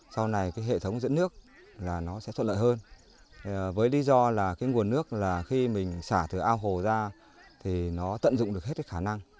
sau này hệ thống dẫn nước sẽ thuận lợi hơn với lý do là nguồn nước khi mình xả từ ao hồ ra thì nó tận dụng được hết khả năng